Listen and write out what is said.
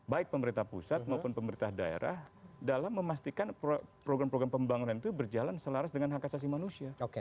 baik pemerintah pusat maupun pemerintah daerah dalam memastikan program program pembangunan itu berjalan selaras dengan hak asasi manusia